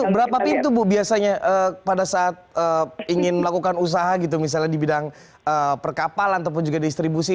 berapa pintu bu biasanya pada saat ingin melakukan usaha gitu misalnya di bidang perkapalan ataupun juga distribusi